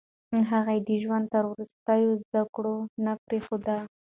هغه د ژوند تر وروستيو زده کړه نه پرېښوده.